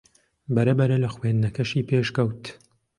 بەرەبەرە لە خوێندنەکەشی پێشکەوت